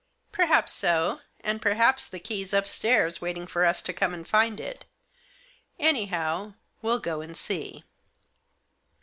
" Perhaps so ; and perhaps the key's upstairs, waiting for us to come and find it. Anyhow we'll go and see."